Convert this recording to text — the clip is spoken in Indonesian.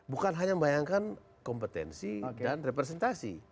bukan hanya membayangkan kompetensi dan representasi